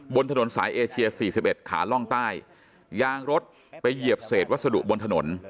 บนถนนสายเอเชีย๔๑ขาล่องใต้ยางรถไปเหยียบเศษวัสดุบนถนน